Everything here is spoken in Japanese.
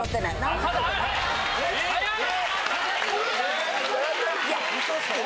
早い！